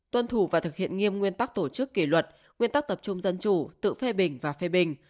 tuân thủ và thực hiện nghiêm nguyên tắc tổ chức kỷ luật nguyên tắc tập trung dân chủ tự phê bình và phê bình